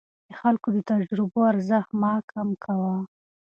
د خلکو د تجربو ارزښت مه کم کوه.